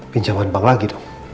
pinjaman bank lagi dong